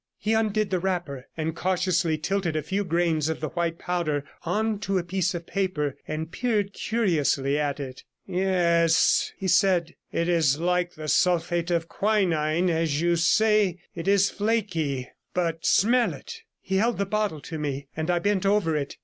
He undid the wrapper, and cautiously tilted a few grains of the white powder on to a piece of paper, and peered curiously at it. 'Yes,' he said, 'it is like the sulphate of quinine, as you say; it is flaky. But smell it.' He held the bottle to me, and I bent over it.